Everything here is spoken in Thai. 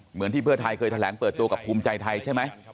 เหมือนที่เพื่อไทยเคยแถลงเปิดตัวกับภูมิใจไทยใช่ไหม